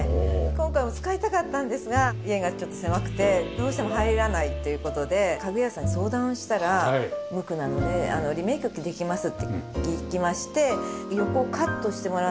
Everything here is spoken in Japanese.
今回も使いたかったんですが家がちょっと狭くてどうしても入らないという事で家具屋さんに相談したら無垢なのでリメイクできますって聞きまして横をカットしてもらって。